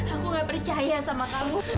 aku gak percaya sama kamu